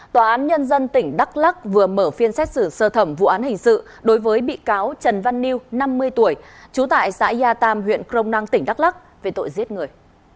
tòa án nhân dân tỉnh đắk lắc vừa mở phiên xét xử sơ thẩm vụ án hình sự đối với bị cáo trần văn new năm mươi tuổi trú tại xã ya tam huyện crong năng tỉnh đắk lắc về tội giết người